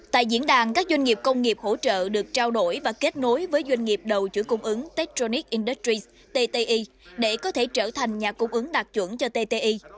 tại diễn đàn các doanh nghiệp công nghiệp hỗ trợ được trao đổi và kết nối với doanh nghiệp đầu chủ cung ứng tectronic industries tti để có thể trở thành nhà cung ứng đạt chuẩn cho tti